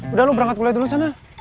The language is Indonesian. udah lo berangkat kuliah dulu sana